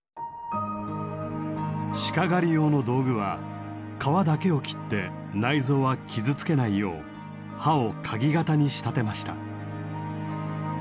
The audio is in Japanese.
鹿狩り用の道具は皮だけを切って内臓は傷つけないよう刃をかぎ型に仕立てました。